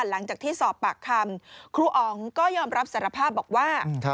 หลังจากที่สอบปากคำครูอ๋องก็ยอมรับสารภาพบอกว่า